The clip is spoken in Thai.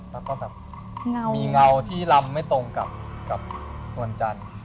แล้วก็แบบมีเงาที่ลำไม่ตรงกับวันจันทร์